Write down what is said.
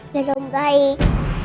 da om baik